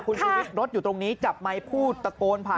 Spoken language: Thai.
คุณชูวิทย์รถอยู่ตรงนี้จับไมค์พูดตะโกนผ่าน